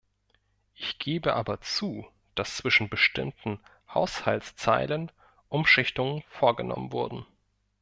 Ich gebe aber zu, dass zwischen bestimmten Haushaltszeilen Umschichtungen vorgenommen wurden.